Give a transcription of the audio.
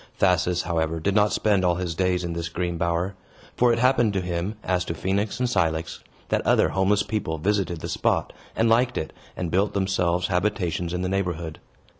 Thasus, however, did not spend all his days in this green bower. For it happened to him, as to Phoenix and Cilix, that other homeless people visited the spot, and liked it, and built themselves habitations in the neighborhood.